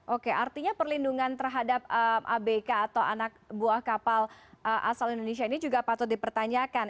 oke artinya perlindungan terhadap abk atau anak buah kapal asal indonesia ini juga patut dipertanyakan